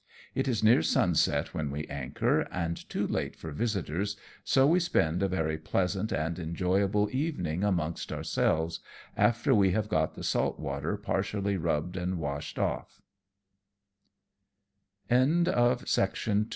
It is near sunset when we anchor, and too late for visitors, so we spend a very pleasant and enjoyable evening amongst ourselves, after we have got the saltwater partially rubbed